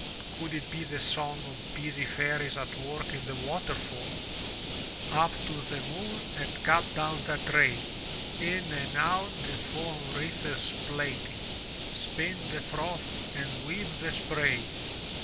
Could it be the song of busy fairies at work in the waterfall? Up to the moon and cut down that ray! In and out the foam wreaths plaiting: Spin the froth and weave the spray!